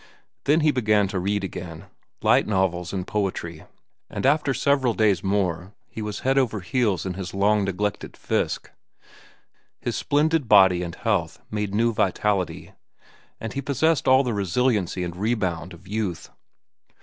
Then he began to read again—light novels, and poetry; and after several days more he was head over heels in his long neglected Fiske. His splendid body and health made new vitality, and he possessed all the resiliency and rebound of youth.